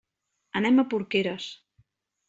Anem a Porqueres.